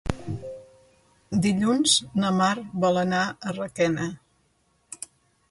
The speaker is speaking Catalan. Dilluns na Mar vol anar a Requena.